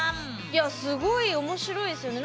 いやすごい面白いですよね。